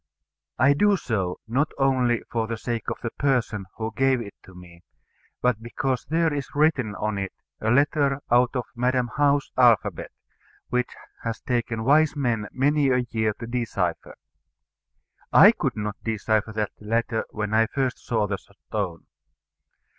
I do so, not only for the sake of the person who gave it to me, but because there is written on it a letter out of Madam How's alphabet, which has taken wise men many a year to decipher. I could not decipher that letter when first I saw the stone.